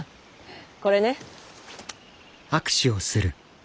これね。